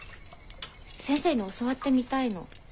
先生に教わってみたいの。